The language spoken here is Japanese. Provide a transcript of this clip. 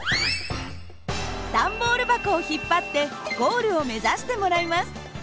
段ボール箱を引っ張ってゴールを目指してもらいます。